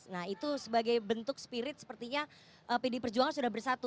nah itu sebagai bentuk spirit sepertinya pd perjuangan sudah bersatu